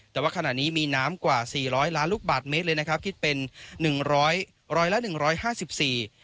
แต่ว่าขณะนี้มีน้ำกว่าสี่ร้อยล้านลูกบาทเมตรเลยนะครับคิดเป็นหนึ่งร้อยร้อยละหนึ่งร้อยห้าสิบสี่